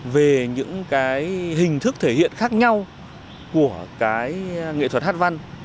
về những cái hình thức thể hiện khác nhau của cái nghệ thuật hát văn